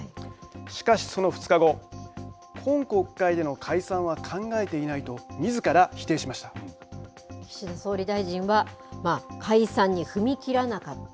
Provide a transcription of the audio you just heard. しかし、その２日後今国会での解散は考えていないと岸田総理大臣は解散に踏み切らなかった。